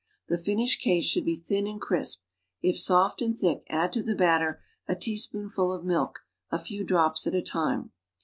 The finished case should be thin and crisp; if soft and thick add to the batter a teaspoonful of milk, a few drops at a time.